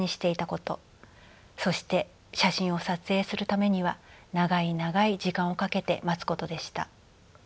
そして写真を撮影するためには長い長い時間をかけて待つことでした。